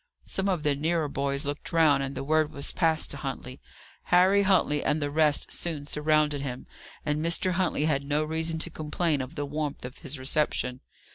Some of the nearer boys looked round, and the word was passed to Huntley. Harry Huntley and the rest soon surrounded him, and Mr. Huntley had no reason to complain of the warmth of his reception.